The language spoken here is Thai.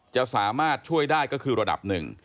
จะสามารถช่วยได้ก็คือระดับหนึ่ง